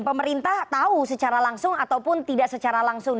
pemerintah tahu secara langsung ataupun tidak secara langsung